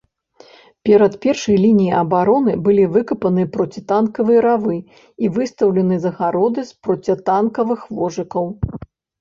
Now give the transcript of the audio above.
Перад першай лініяй абароны былі выкапаны процітанкавыя равы і выстаўлены загароды з процітанкавых вожыкаў.